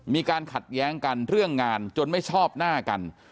มีการขัดแย้งกันเรื่องงานจนไม่ชอบหน้ากัน